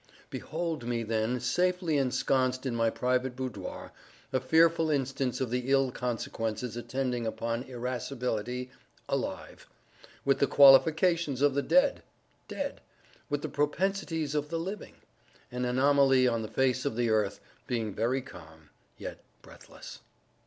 Behold me then safely ensconced in my private boudoir, a fearful instance of the ill consequences attending upon irascibility—alive, with the qualifications of the dead—dead, with the propensities of the living—an anomaly on the face of the earth—being very calm, yet breathless.